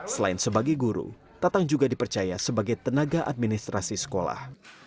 selain sebagai guru tatang juga dipercaya sebagai tenaga administrasi sekolah